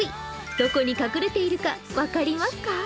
どこに隠れているか分かりますか？